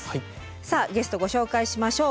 さあゲストご紹介しましょう。